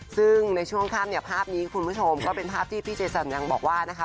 ซึ่งในช่วงค่ำเนี่ยภาพนี้คุณผู้ชมก็เป็นภาพที่พี่เจสันยังบอกว่านะคะ